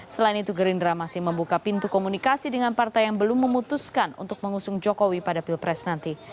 selain itu gerindra masih membuka pintu komunikasi dengan partai yang belum memutuskan untuk mengusung jokowi pada pilpres nanti